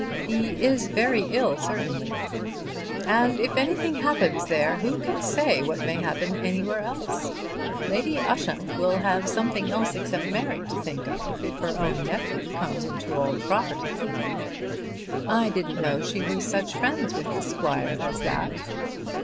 "He is very ill certainly." "And if anything happens there who can say what may happen anywhere else? Lady Ushant will have something else except Mary to think of, if her own nephew comes into all the property." "I didn't know she was such friends with the Squire as that."